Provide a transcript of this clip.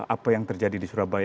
apa yang terjadi di surabaya